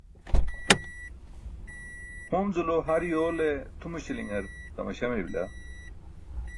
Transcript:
hunzulo har yoole tʰumaśilaṅar tamaśa mey bila